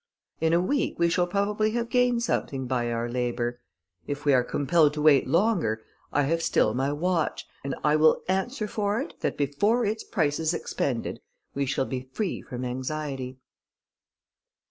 In a week we shall probably have gained something by our labour. If we are compelled to wait longer, I have still my watch, and I will answer for it, that before its price is expended, we shall be free from anxiety."